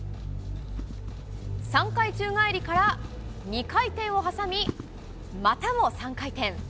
３回宙返りから２回転を挟み、またも３回転。